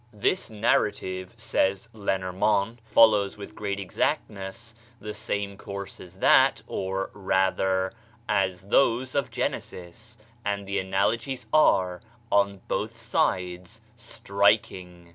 '" "This narrative," says Lenormant, "follows with great exactness the same course as that, or, rather, as those of Genesis; and the analogies are, on both sides, striking."